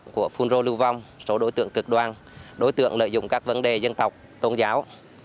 các đối tượng của phun rô lưu vong số đối tượng cực đoan đối tượng lợi dụng các vấn đề dân tộc tôn giáo